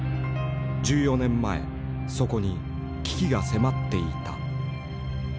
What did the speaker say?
１４年前そこに危機が迫っていた。